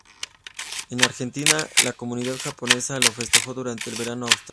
En Argentina la comunidad japonesa lo festeja durante el verano austral.